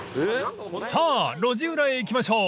［さぁ路地裏へ行きましょう。